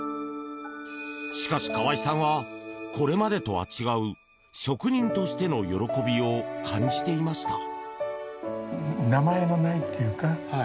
しかし、河合さんはこれまでとは違う職人としての喜びを感じていました。